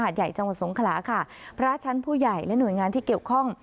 ใหญ่จังหวัดสงขลาค่ะพระชั้นผู้ใหญ่และหน่วยงานที่เกี่ยวข้อง